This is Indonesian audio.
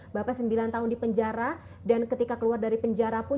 bapak sembilan tahun di penjara dan ketika keluar dari penjara pun